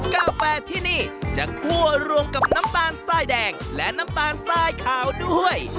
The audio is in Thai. กาแฟที่นี่จะคั่วรวมกับน้ำตาลทรายแดงและน้ำตาลทรายขาวด้วย